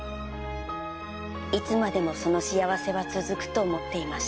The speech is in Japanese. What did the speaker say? いつまでもその幸せは続くと思っていました